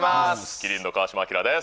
麒麟の川島明です。